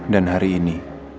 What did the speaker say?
dan hari ini